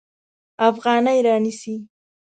افغانۍ رانیسي.